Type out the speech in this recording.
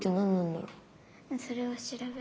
それを調べる。